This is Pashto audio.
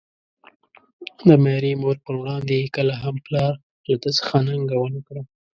د ميرې مور په وړاندې يې کله هم پلار له ده څخه ننګه ونکړه.